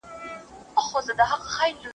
موږ د زغم ارزښت درک کړی دی.